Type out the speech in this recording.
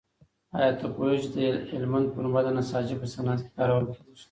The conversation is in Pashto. ایا ته پوهېږې چې د هلمند پنبه د نساجۍ په صنعت کې کارول کېږي؟